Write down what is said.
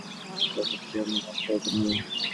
সাবিত্রী, আমার কাছে ওটা নেই।